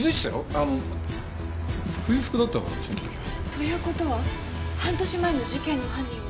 あの冬服だったからその時。という事は半年前の事件の犯人は。